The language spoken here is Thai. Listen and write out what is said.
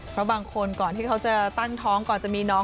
เพราะบางคนก่อนที่เขาจะตั้งท้องก่อนจะมีน้อง